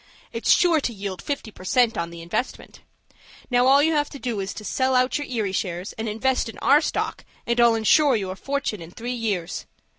It's sure to yield fifty per cent. on the investment. Now, all you have to do is to sell out your Erie shares, and invest in our stock, and I'll insure you a fortune in three years.